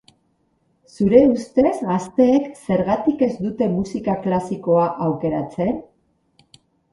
Zure ustez, gazteek zergatik ez dute musika klasikoa aukeratzen?